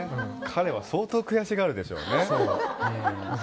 彼は相当悔しがるでしょうね。